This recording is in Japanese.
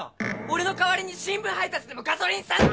俺の代わりに新聞配達でもガソリンスタンド！